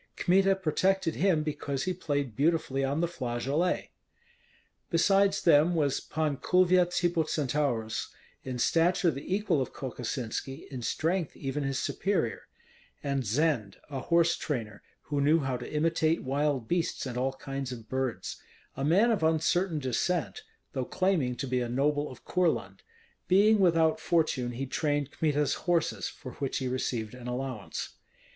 Kmita protected him because he played beautifully on the flageolet. Besides them was Pan Kulvyets Hippocentaurus, in stature the equal of Kokosinski, in strength even his superior; and Zend, a horse trainer, who knew how to imitate wild beasts and all kinds of birds, a man of uncertain descent, though claiming to be a noble of Courland; being without fortune he trained Kmita's horses, for which he received an allowance.